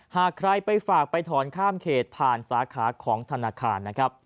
หากใครไปฝากไปถอนข้ามเขตผ่านสาขาของธนาคารนะครับ